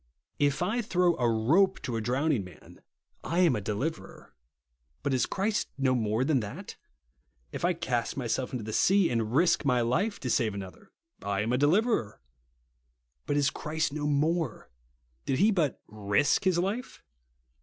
If I throw a rope to a drowning man, I am a deliverer. But is Christ no more than that ? If I cast my self into the sea, and risk my life to save another, I am a deliverer. But is Christ no more ? Did he but risk his life